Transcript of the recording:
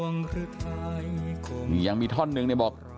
นี่ยังมีท่อนหนึ่งเนี่ยบอก